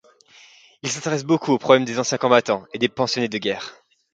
Il s'intéresse beaucoup aux problèmes des anciens combattants et des pensionnés de guerre.